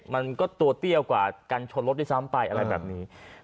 มันก็ตัวเตี้ยวกว่ากันชนรถด้วยซ้ำไปอะไรแบบนี้